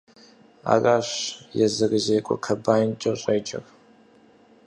Аращ езырызекӀуэ комбайнкӀэ щӀеджэр.